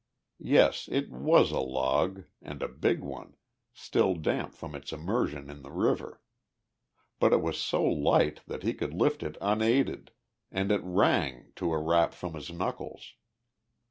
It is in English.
Yes, it was a log and a big one, still damp from its immersion in the river. But it was so light that he could lift it unaided and it rang to a rap from his knuckles.